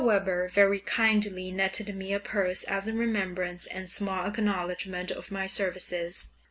Weber very kindly netted me a purse as a remembrance and small acknowledgment of my services.